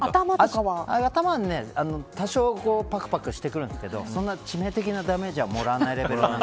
頭は、多少ぱくぱくしてくるんですけどそんな致命的なダメージはもらわないレベル。